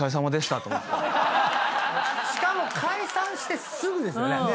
しかも解散してすぐですよね。